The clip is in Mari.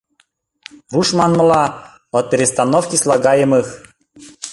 Руш манмыла, от перестановки слагаемых...